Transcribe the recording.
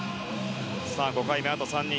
５回目、あと３人。